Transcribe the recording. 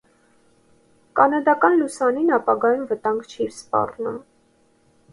Կանադական լուսանին ապագայում վտանգ չի սպառնում։